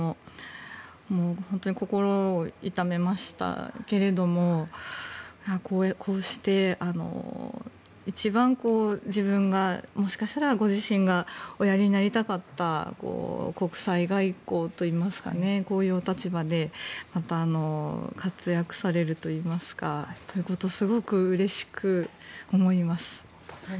本当に心を痛めましたけれどもこうして一番自分がもしかしたらご自身がおやりになりたかった国際外交といいますかこういうお立場でまた活躍されるといいますかすごくうれしく思います。